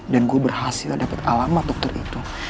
dan gue berhasil dapet alamat dokter itu